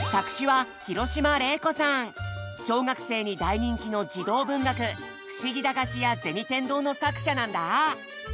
小学生に大人気の児童文学「ふしぎ駄菓子屋銭天堂」の作者なんだ。